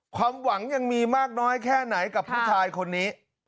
ความหวังยังมีมากน้อยแค่ไหนกับผู้ชายคนนี้